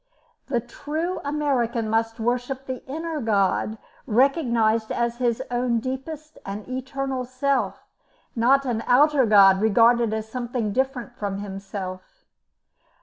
The true American must worship the inner God recognised as his own deepest and eternal self, not an outer God regarded as something different from himself."